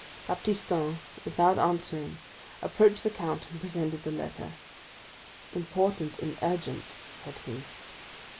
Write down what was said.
Baptistin, without answering, approached the count, and presented the letter. "Important and urgent," said he.